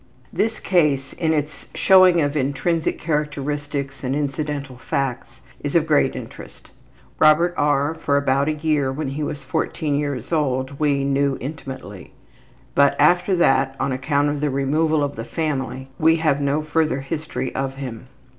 This case in its showing of intrinsic characteristics and incidental facts is of great interest. Robert R. for about a year when he was 14 years old we knew intimately, but after that on account of the removal of the family we have no further history of him.